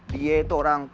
dia itu orang